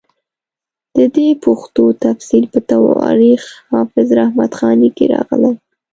د دې پېښو تفصیل په تواریخ حافظ رحمت خاني کې راغلی.